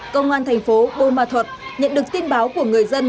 công an thành phố bô ma thuật nhận được tin báo của người dân